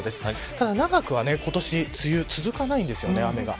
ただ長くは、今年梅雨続かないんですね、雨が。